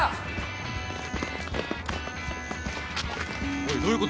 おいどういうことだ？